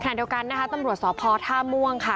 ขนาดเดียวกันนะครับตำรวจสพธาวม่วงค่ะ